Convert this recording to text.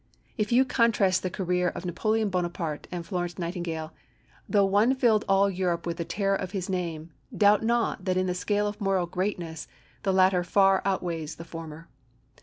If you contrast the career of Napoleon Bonaparte and Florence Nightingale, though one filled all Europe with the terror of his name, doubt not that in the scale of moral greatness the latter far outweighs the former.